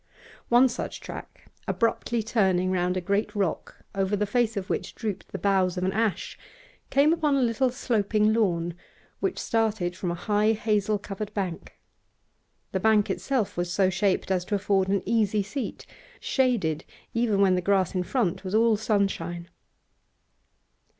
One such track, abruptly turning round a great rock over the face of which drooped the boughs of an ash, came upon a little sloping lawn, which started from a high hazel covered bank. The bank itself was so shaped as to afford an easy seat, shaded even when the grass in front was all sunshine.